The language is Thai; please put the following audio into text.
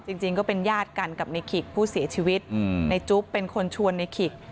จริงก็เป็นญาติกันกับในขิกผู้เสียชีวิตในจุ๊บเป็นคนชวนในขิก